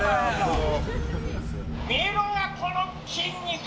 見ろや、この筋肉。